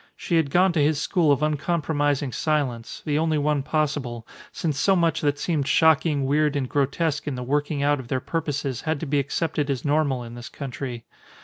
She had gone to his school of uncompromising silence, the only one possible, since so much that seemed shocking, weird, and grotesque in the working out of their purposes had to be accepted as normal in this country.